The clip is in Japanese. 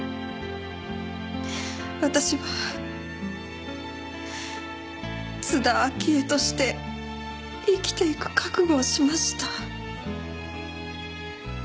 私は津田明江として生きていく覚悟をしました。